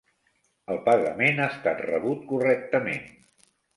El pagament ha estat rebut correctament.